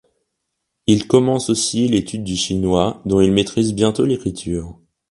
Il commence aussi l'étude du chinois dont il maîtrise bientôt l'écriture.